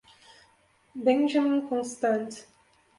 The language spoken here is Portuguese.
Benjamin Constant